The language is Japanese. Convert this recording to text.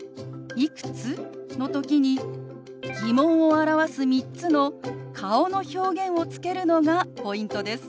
「いくつ？」の時に疑問を表す３つの顔の表現をつけるのがポイントです。